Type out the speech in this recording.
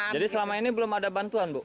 jadi selama ini belum ada bantuan bu